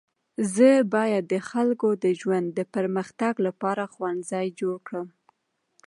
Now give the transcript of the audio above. زه باید د خلکو د ژوند د پرمختګ لپاره ښوونځی جوړه کړم.